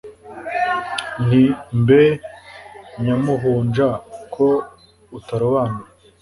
nti mbe nyamuhunja ko utarobanura